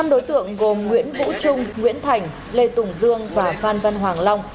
năm đối tượng gồm nguyễn vũ trung nguyễn thành lê tùng dương và phan văn hoàng long